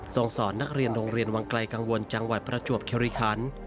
สอนนักเรียนโรงเรียนวังไกลกังวลจังหวัดประจวบคิริคัน